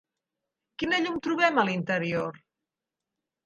Quina llum trobem a l'interior?